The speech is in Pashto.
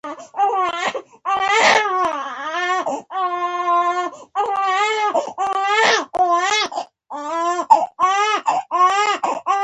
ـ ناښادې ارواوې ښادې نه وي.